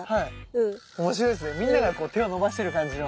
みんなが手を伸ばしてる感じの。